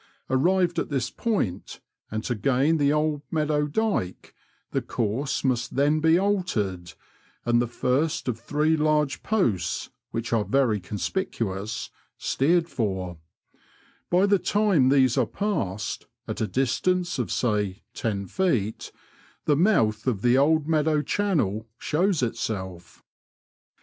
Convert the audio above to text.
Arrived at this point, and to gain the Old Meadow Dyke, the course must then be altered, and the first of three large posts (which are very conspicuous) steered for ; by the time these are passed, at a distance of, say, ten feet, the mouth of the Old Meadow channel shows itself.